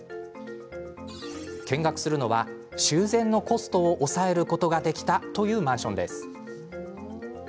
見学するのは修繕のコストを抑えることができたというマンションです。